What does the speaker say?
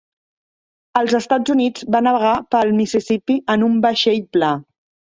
Als Estats Units, va navegar pel Mississipí en un vaixell pla.